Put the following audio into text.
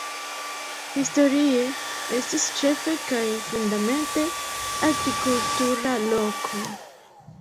Historie estis ĉefe kaj fundamente agrikultura loko.